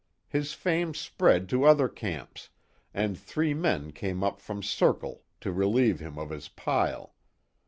His fame spread to other camps, and three men came up from Circle to relieve him of his pile.